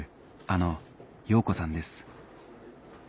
あの陽子さんです